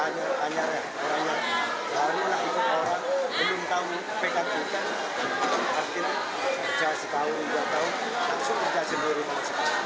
orang belum tahu pekan ikan artinya jauh setahun dua tahun langsung kerja sendiri